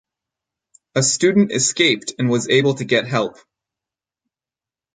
A student escaped and was able to get help.